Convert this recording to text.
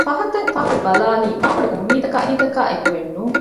ފަހަތަށް އެނބުރި ބަލާލީ މާ ބޮޑު އުއްމީދަކާ އެކުއެއް ނޫން